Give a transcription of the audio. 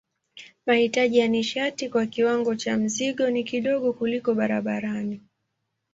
Mahitaji ya nishati kwa kiwango cha mzigo ni kidogo kuliko barabarani.